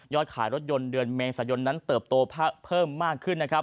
ยอดขายรถยนต์เดือนเมษายนต์นั้นเติบโตเพิ่มมากขึ้น